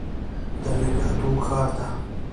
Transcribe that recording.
د نګهتونو ښار ته